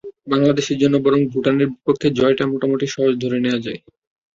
বাংলাদেশের জন্য বরং ভুটানের বিপক্ষে জয়টা মোটামুটি সহজ ধরে নেওয়া যায়।